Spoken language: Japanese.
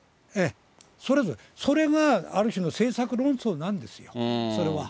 それ、それがある種の政策論争なんですよ、それは。